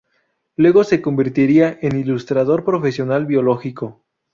Luego se convertiría en ilustrador profesional biológico.